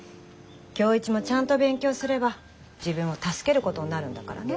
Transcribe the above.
今日一もちゃんと勉強すれば自分を助けることになるんだからね。